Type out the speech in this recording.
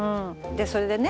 でそれでね